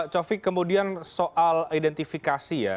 cofik kemudian soal identifikasi ya